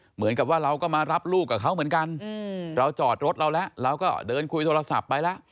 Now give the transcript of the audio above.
เหมือนกับว่าเราก็มารับลูกกับเขาเหมือนกันเราจอดรถเราแล้วเราก็เดินคุยโทรศัพท์ไปแล้ว